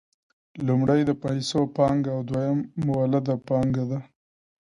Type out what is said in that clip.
لومړی د پیسو پانګه او دویم مولده پانګه ده